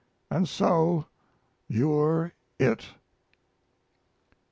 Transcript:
And so you're It.